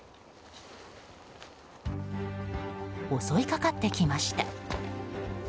襲いかかってきました。